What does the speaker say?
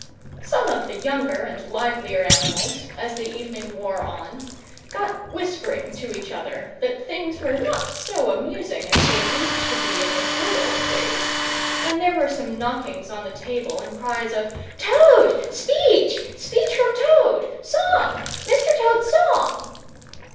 Some of the younger and livelier animals, as the evening wore on, got whispering to each other that things were not so amusing as they used to be in the good old days; and there were some knockings on the table and cries of "Toad! Speech! Speech from Toad! Song! Mr. Toad's song!"